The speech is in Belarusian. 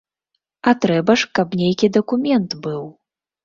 А трэба ж, каб нейкі дакумент быў.